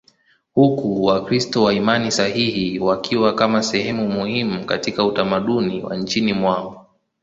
huku Wakristo wa imani sahihi wakiwa kama sehemu muhimu katika utamaduni wa nchini mwao.